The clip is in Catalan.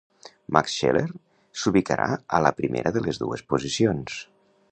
Max Scheler s'ubicarà a la primera de les dues posicions.